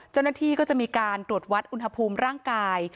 เจ้าหน้าที่ก็จะมีการตรวจวัดอุณหภูมิร่างกาย